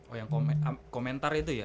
oh yang komentar itu ya